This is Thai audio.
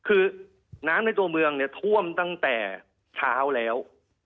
คือน้ำในตัวเมืองเนี่ยท่วมตั้งแต่เช้าแล้ว